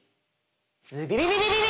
ズビビビビビビ！